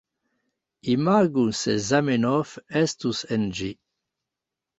Imagu se Zamenhof estus en ĝi